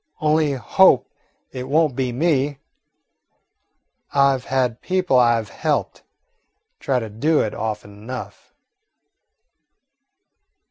Only hope it won't be me. I 've had people I 've helped try to do it often enough."